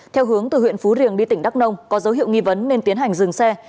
theo hướng từ huyện phú riềng đi tỉnh đắk nông có dấu hiệu nghi vấn nên tiến hành dừng xe